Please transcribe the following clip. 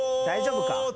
大丈夫か？